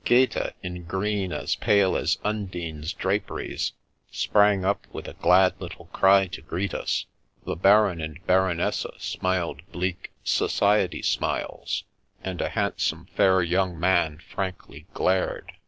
Gaeta, in green as pale as Undine's draperies, sprang up with a glad little cry to greet us. The Baron and Baronessa smiled bleak *^ society smiles," and a handsome, fair young man frankly glared.